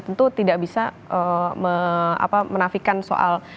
tentu tidak bisa menafikan soal